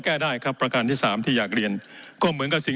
แก้ได้ครับประการที่สามที่อยากเรียนก็เหมือนกับสิ่ง